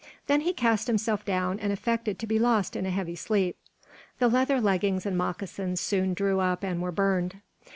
Then he cast himself down and affected to be lost in a heavy sleep. The leather leggings and moccasins soon drew up and were burned.